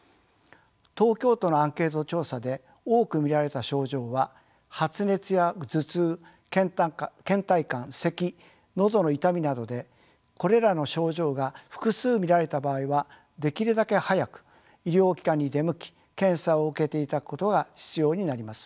東京都のアンケート調査で多く見られた症状は発熱や頭痛けん怠感せき喉の痛みなどでこれらの症状が複数見られた場合はできるだけ早く医療機関に出向き検査を受けていただくことが必要になります。